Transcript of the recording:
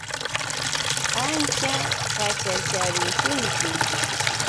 Ancha qaćhachakurusqanki.